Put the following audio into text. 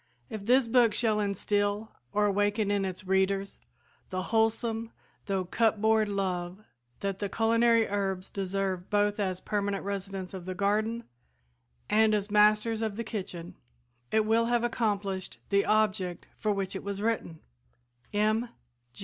If this book shall instill or awaken in its readers the wholesome though "cupboard" love that the culinary herbs deserve both as permanent residents of the garden and as masters of the kitchen, it will have accomplished the object for which it was written. M.